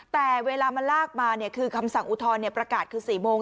แต่เวลามันลากมาคือคำสั่งอุทธรณ์ประกาศคือ๔โมง